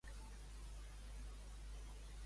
Vull visitar Riudaura; quin bus haig de buscar?